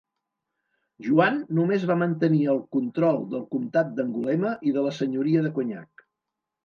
Joan només va mantenir el control del comtat d'Angulema i de la senyoria de Cognac.